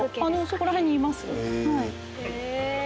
そこら辺にいます。